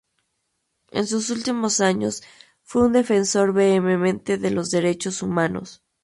En sus últimos años fue un defensor vehemente de los derechos humanos.